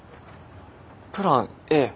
プランＡ？